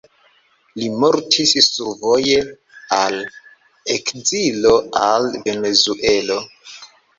Li mortis survoje al ekzilo al Venezuelo.